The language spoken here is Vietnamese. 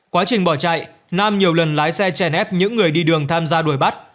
quá trình bỏ chạy nam nhiều lần lái xe chèn ép những người đi đường tham gia đuổi bắt